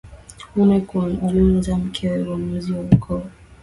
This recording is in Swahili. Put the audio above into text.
Mume kumjumza mkewe uamuzi wa ukoo